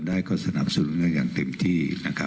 ท่านไทยอย่างเต็มที่